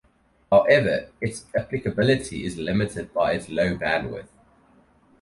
However, its applicability is limited by its low bandwidth.